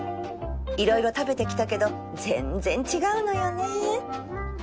色々食べてきたけど全然違うのよね